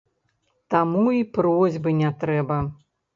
Таму й просьбы не трэба.